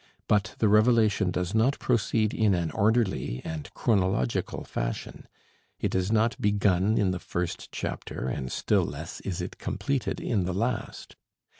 But the revelation does not proceed in an orderly and chronological fashion: it is not begun in the first chapter, and still less is it completed in the last.